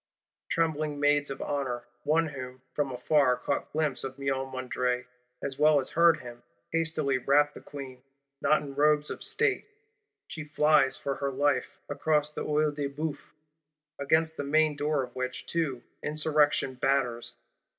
Trembling Maids of Honour, one of whom from afar caught glimpse of Miomandre as well as heard him, hastily wrap the Queen; not in robes of State. She flies for her life, across the Œil de Bœuf; against the main door of which too Insurrection batters.